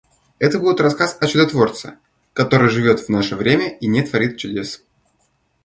Это будет рассказ о чудотворце, который живет в наше время и не творит чудес.